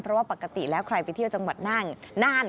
เพราะว่าปกติแล้วใครไปเที่ยวจังหวัดน่าน